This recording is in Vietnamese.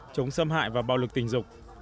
chống xâm hại và bạo lực tình dục